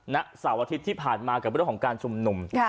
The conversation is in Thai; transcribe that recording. นักเสาร์อาทิตย์ที่ผ่านมากับวิธีของการชุมหนุ่ม